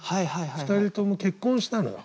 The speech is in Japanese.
２人とも結婚したのよ。